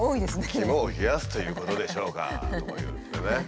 「肝を冷やすということでしょうか」とか言ってね。